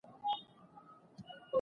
هغه ژوره ژبه کاروي.